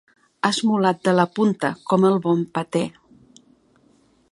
Esmolat de la punta, com el bon patè.